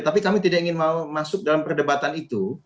tapi kami tidak ingin mau masuk dalam perdebatan itu